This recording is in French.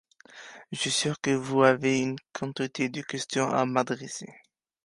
Je suis sûr que vous avez une quantité de questions à m'adresser.